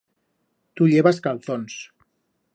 Tu llevas calzons.